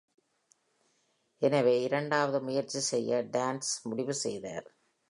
எனவே இரண்டாவது முயற்சி செய்ய Danes முடிவு செய்தார்.